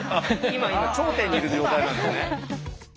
今頂点にいる状態なんですね。